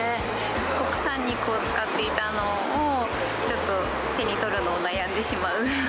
国産肉を使っていたのを、ちょっと手に取るのを悩んでしまう。